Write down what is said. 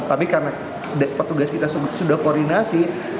tapi karena petugas kita sudah koordinasi